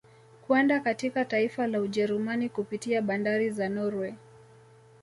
Kwenda katika taifa la Ujerumani kupitia bandari za Norway